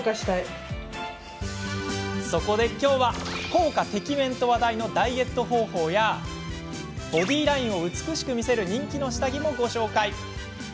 そこで、きょうは効果てきめんと話題のダイエット方法やボディーラインを美しく見せる人気の下着もご紹介。